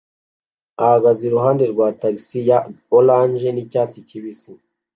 ahagaze iruhande rwa tagisi ya orange nicyatsi kibisi